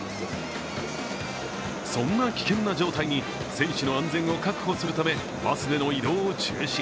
そんな危険な状態に選手の安全を確保するためバスでの移動を中止。